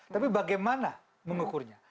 tapi bagaimana mengukurnya